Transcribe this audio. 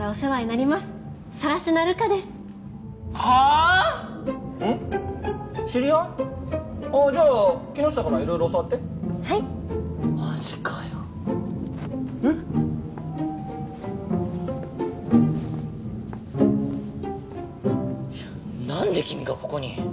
なんで君がここに？